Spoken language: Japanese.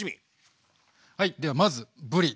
はいではまずぶり。